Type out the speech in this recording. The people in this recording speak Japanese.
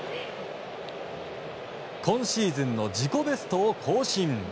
今シーズンの自己ベストを更新。